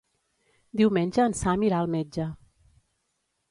Diumenge en Sam irà al metge.